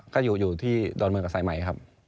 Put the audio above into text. ก็อยู่ที่ดอนเมืองกับสายใหม่ครับ